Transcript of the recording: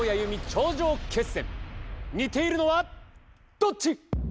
頂上決戦似ているのはどっち？